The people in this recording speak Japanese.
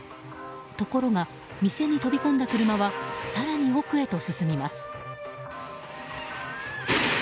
ところが、店に飛び込んだ車は更に奥へと進みます。